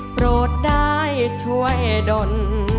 โปรดได้ช่วยดน